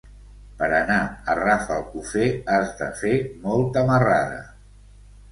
Per anar a Rafelcofer has de fer molta marrada.